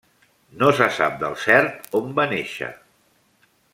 No se sap del cert on va néixer.